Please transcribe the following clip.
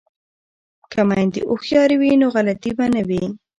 که میندې هوښیارې وي نو غلطي به نه وي.